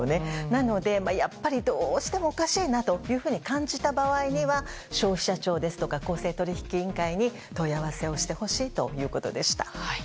なので、やっぱりどうしてもおかしいなと感じた場合には消費者庁ですとか公正取引委員会に問い合わせをしてほしいということでした。